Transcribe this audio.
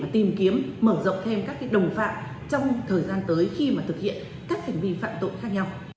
tìm kiếm mở rộng thêm các đồng phạm trong thời gian tới khi mà thực hiện các hành vi phạm tội khác nhau